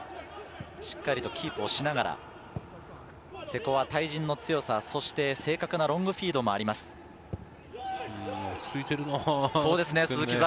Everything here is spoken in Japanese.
しっかりキープしながら、瀬古は対人の強さ、そして正確なロング落ち着いてるな。